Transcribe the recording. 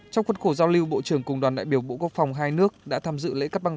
trong khuất khổ giao lưu bộ trưởng cùng đoàn đại biểu bộ quốc phòng hai nước đã tham dự lễ cắt băng